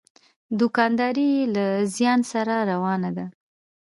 دوکانداري یې له زیان سره روانه ده.